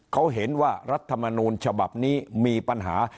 เขาเห็นว่ารัฐมนูลฉบับนี้มีปัญหา